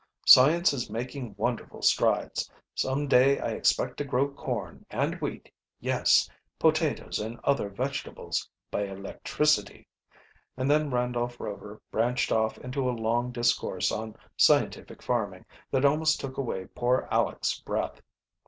"Science is making wonderful strides. Some day I expect to grow com and wheat, yes, potatoes and other vegetables, by electricity," and then Randolph Rover branched off into a long discourse on scientific farming that almost took away poor Aleck's breath.